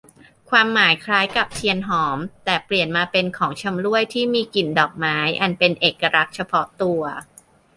ความหมายคล้ายกับเทียนหอม แต่เปลี่ยนมาเป็นของชำร่วยที่มีกลิ่นดอกไม้อันเป็นเอกลักษณ์เฉพาะตัว